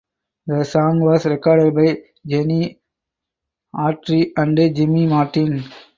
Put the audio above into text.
The song was recorded by Gene Autry and Jimmy Martin.